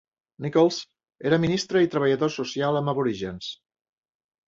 Nicholls era ministre i treballador social amb aborígens.